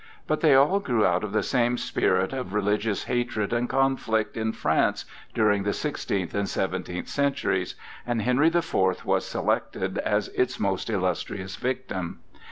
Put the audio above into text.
But they all grew out of the same spirit of religious hatred and conflict in France during the sixteenth and seventeenth centuries, and Henry the Fourth was selected as its most illustrious victim.